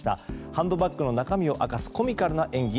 ハンドバッグの中身を明かすコミカルな演技